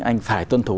anh phải tuân thủ